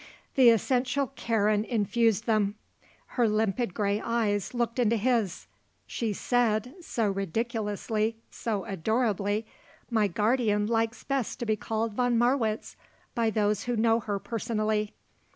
The essential Karen infused them. Her limpid grey eyes looked into his. She said, so ridiculously, so adorably: "My guardian likes best to be called von Marwitz by those who know her personally."